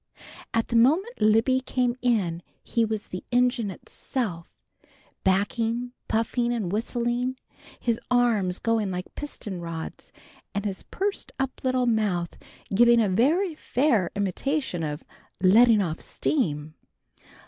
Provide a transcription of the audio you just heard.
At the moment Libby came in he was the engine itself, backing, puffing and whistling, his arms going like piston rods, and his pursed up little mouth giving a very fair imitation of "letting off steam."